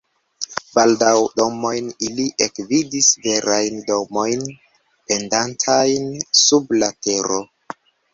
Baldaŭ domojn ili ekvidis, verajn domojn pendantajn sub la tero.